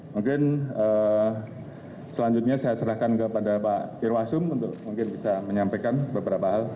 mungkin selanjutnya saya serahkan kepada pak irwasum untuk mungkin bisa menyampaikan beberapa hal